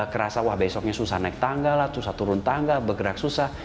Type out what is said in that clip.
kerasa wah besoknya susah naik tangga lah susah turun tangga bergerak susah